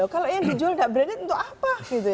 kalau ini dijual nggak branded untuk apa